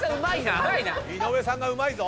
井上さんがうまいぞ。